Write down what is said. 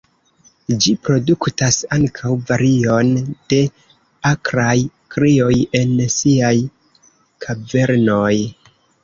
Ĝi produktas ankaŭ varion de akraj krioj en siaj kavernoj.